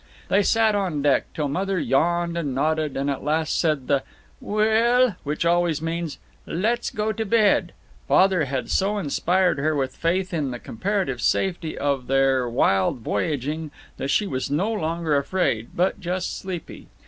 They sat on deck till Mother yawned and nodded and at last said the "Wel l " which always means, "Let's go to bed." Father had so inspired her with faith in the comparative safety of their wild voyaging that she was no longer afraid, but just sleepy.